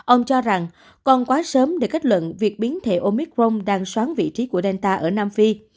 ông cho rằng còn quá sớm để kết luận việc biến thể omicron đang xoán vị trí của delta ở nam phi